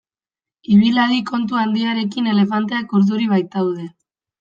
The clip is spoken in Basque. Ibil hadi kontu handiarekin elefanteak urduri baitaude.